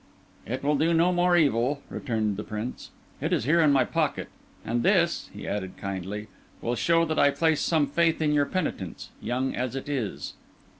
"It will do no more evil," returned the Prince. "It is here in my pocket. And this," he added kindly, "will show that I place some faith in your penitence, young as it is."